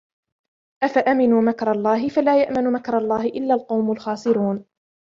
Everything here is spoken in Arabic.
أَفَأَمِنُوا مَكْرَ اللَّهِ فَلَا يَأْمَنُ مَكْرَ اللَّهِ إِلَّا الْقَوْمُ الْخَاسِرُونَ